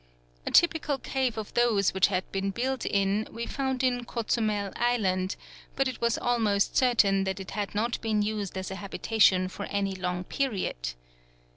A typical cave of those which had been built in we found in Cozumel island; but it was almost certain that it had not been used as a habitation for any long period.